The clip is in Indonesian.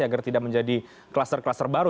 agar tidak menjadi kluster kluster baru